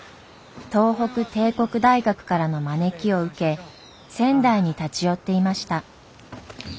東北帝国大学からの招きを受け仙台に立ち寄っていました。